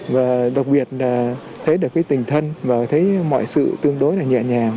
và đặc biệt là thấy được cái tình thân và thấy mọi sự tương đối là nhẹ nhàng